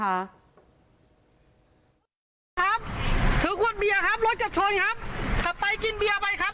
ครับถือขวดเบียร์ครับรถจะชนครับขับไปกินเบียร์ไปครับ